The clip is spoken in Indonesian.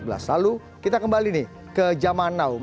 lalu kita kembali nih ke zaman now